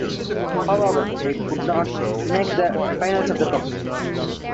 However they could not make the finals of the Cup.